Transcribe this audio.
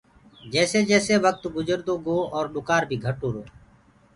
جيسي جيسي وڪت گُجردو گو اور ڏُڪآر بيٚ گهٽ هوُرو۔